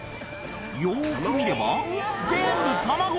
よく見れば全部卵！